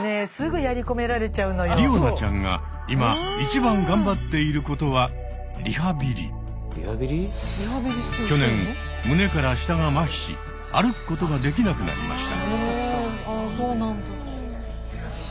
りおなちゃんが今一番頑張っていることは去年胸から下がまひし歩くことができなくなりました。